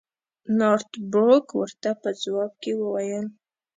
نارت بروک ورته په ځواب کې وویل.